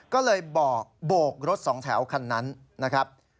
ก็เลยบอกโบกรถสองแถวคันนั้นนะครับ